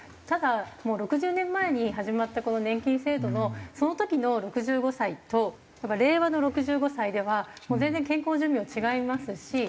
ただもう６０年前に始まったこの年金制度のその時の６５歳と令和の６５歳ではもう全然健康寿命違いますし。